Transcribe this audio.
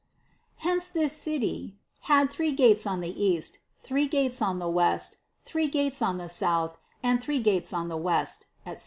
Hence this City "had three gates on the east, three gates on the north, three gates on the south, and three gates on the west," etc.